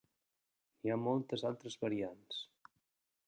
N'hi ha moltes altres variants.